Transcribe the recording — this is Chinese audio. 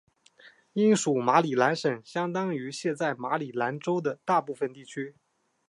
英属马里兰省相当于现在马里兰州的大部分地区。